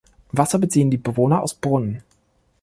Wasser beziehen die Bewohner aus Brunnen.